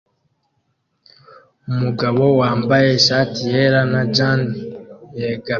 Umugabo wambaye ishati yera na jans yegamiye